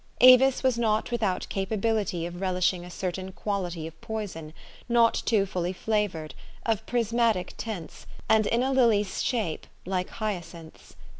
Avis was not without capability of relishing a certain quality of poison, not too fully flavored, of prismatic tints, and in a lily's shape, like hyacinths.